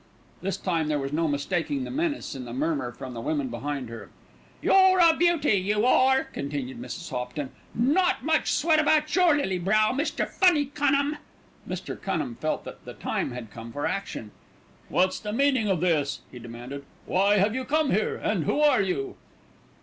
This time there was no mistaking the menace in the murmur from the women behind her. "You're a beauty, you are," continued Mrs. Hopton. "Not much sweat about your lily brow, Mr. Funny Cunham." Mr. Cunham felt that the time had come for action. "What's the meaning of this?" he demanded. "Why have you come here, and who are you?"